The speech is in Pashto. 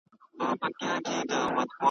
په دې دوه رنګه دنیا کي هرڅه کیږي .